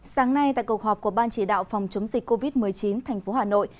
sáng nay tại cuộc họp của ban chỉ đạo phòng chống dịch covid một mươi chín tp hà nội